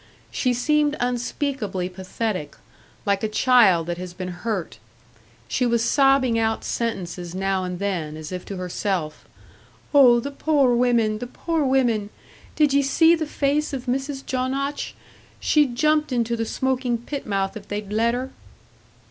She seemed unspeakably pathetic like a child that has been hurt. She was sobbing out sentences now and then, as if to herself: "Oh, the poor women, the poor women! Did ye see the face of Mrs. Jonotch? She'd jumped into the smoking pit mouth if they'd let her!"